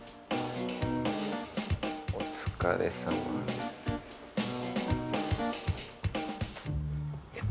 「お疲れさまです」。